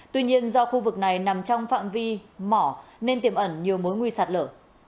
tuy nhiên do khu vực này nằm trong phạm vi mỏ nên tiềm ẩn nhiều mối nguy sạt lở